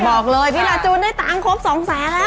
บอกเลยพี่ลาจูนได้ตังค์ครบ๒แสนแล้ว